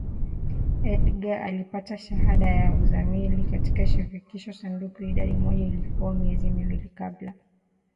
Edgar alipata shahada ya uzamili katika Shirikisho sanduku idadi moja Ilikuwa miezi miwili kabla